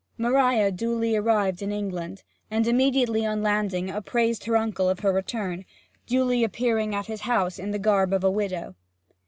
Maria duly arrived in England, and immediately on landing apprised her uncle of her return, duly appearing at his house in the garb of a widow.